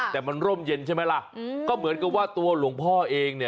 แต่มันร่มเย็นใช่ไหมล่ะก็เหมือนกับว่าตัวหลวงพ่อเองเนี่ย